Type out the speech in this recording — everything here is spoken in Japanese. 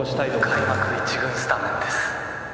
開幕一軍スタメンです